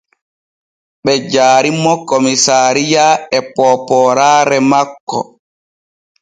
Ɓe jaari mo komisariya e poopooraare makko.